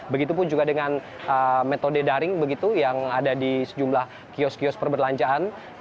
begitupun juga dengan metode daring begitu yang ada di sejumlah kios kios perbelanjaan